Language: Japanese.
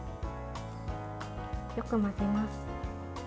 よく混ぜます。